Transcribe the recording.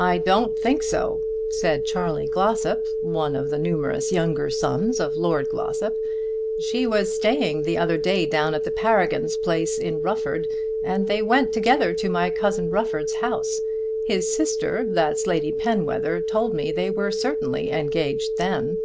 "I don't think so," said Charley Glossop, one of the numerous younger sons of Lord Glossop. "She was staying only the other day down at the Paragon's place in Rufford, and they went together to my cousin Rufford's house. His sister, that's Lady Penwether, told me they were certainly engaged then."